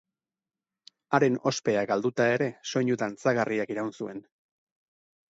Haren ospea galduta ere, soinu dantzagarriak iraun zuen.